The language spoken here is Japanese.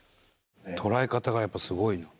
捉え方がやっぱすごいな。